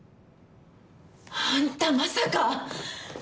あんた、まさか。